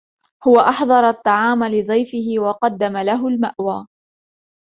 هوَ أحضر الطعام لضيفهُ وقدم لهُ المأوىَ.